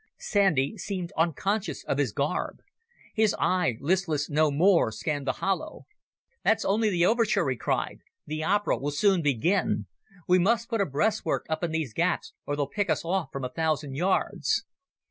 Sandy seemed unconscious of his garb. His eye, listless no more, scanned the hollow. "That's only the overture," he cried. "The opera will soon begin. We must put a breastwork up in these gaps or they'll pick us off from a thousand yards."